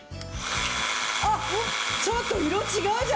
あっちょっと色違うじゃん！